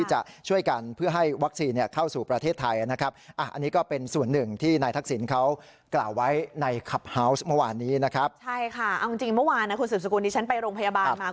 เหมือนเมื่อวานนะคุณศูนย์สกุลนี้ฉันไปโรงพยาบาลมา